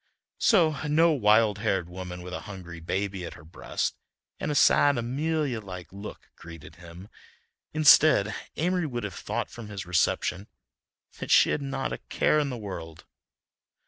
So no wild haired woman with a hungry baby at her breast and a sad Amelia like look greeted him. Instead, Amory would have thought from his reception that she had not a care in the world.